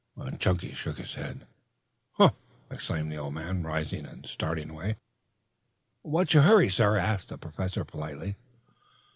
Chunky shook his head. "Huh!" exclaimed the old man, rising and starting away. "What's your hurry, sir?" asked the Professor politely.